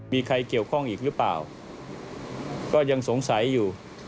มีใครเกี่ยวข้องอีกหรือเปล่าก็ยังสงสัยอยู่